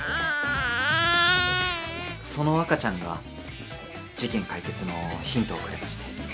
・その赤ちゃんが事件解決のヒントをくれまして。